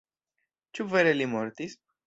Ĉu vere li mortis?